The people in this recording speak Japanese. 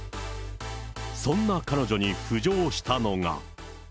そんな彼女に浮上したのが。